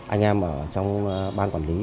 anh em ở trong ban quản lý